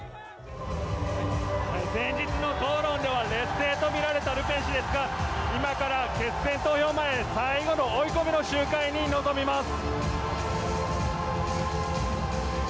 前日の討論では劣勢とみられたルペン氏ですが今から決選投票前最後の追い込みの集会に臨みます。